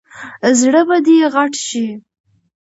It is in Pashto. زړه به دې غټ شي !